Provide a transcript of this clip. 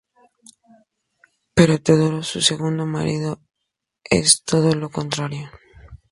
Pero Teodoro, su segundo marido, es todo lo contrario.